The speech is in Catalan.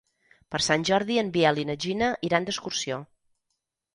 Per Sant Jordi en Biel i na Gina iran d'excursió.